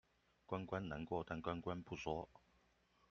關關難過，但關關不說